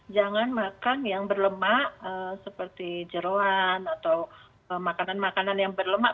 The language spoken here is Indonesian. jangan makan yang berlemak seperti jeruan atau makanan makanan yang berlemak